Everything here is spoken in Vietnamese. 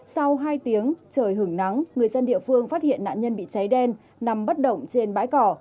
sau hai tiếng trời hừng nắng người dân địa phương phát hiện nạn nhân bị cháy đen nằm bất động trên bãi cỏ